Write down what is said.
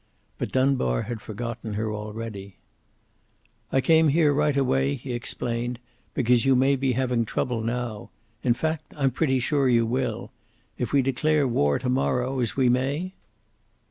But Dunbar had forgotten her already. "I came here right away," he explained, "because you may be having trouble now. In fact, I'm pretty sure you will. If we declare war to morrow, as we may?"